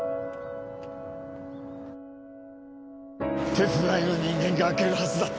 手伝いの人間が開けるはずだった。